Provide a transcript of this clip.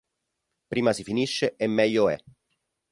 Prima si finisce e meglio è...